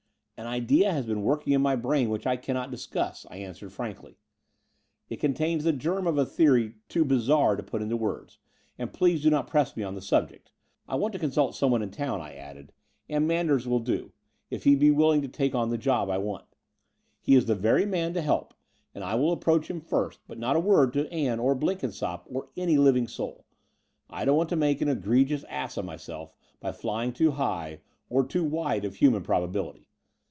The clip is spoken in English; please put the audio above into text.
An idea has been working in my brain which I cannot discuss," I answered frankly. *'It con tains the germ of a theory too bizarre to put into words : and please do not press me upon the sub ject. I want to consult someone in town," I added, and Manders will do — if he be willing to I04 The Door of the Unreal take on the job I want. He is the very man to help, and I will approach him first : but not a word to Ann or Blenkinsopp or any living soul. I don't want to make an egregious ass of myself by flying too high, or too wide of human probability.